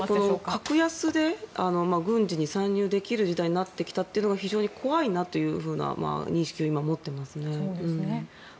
格安で軍事に参入できる時代になってきたというのが非常に怖いなという認識を今、持っていますね。